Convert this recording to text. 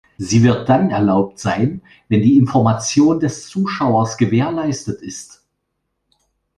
Sie wird dann erlaubt sein, wenn die Information des Zuschauers gewährleistet ist.